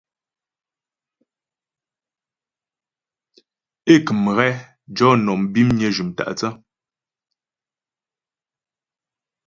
É kə̀m ghɛ jɔ nɔm bimnyə jʉm tâ'thə́.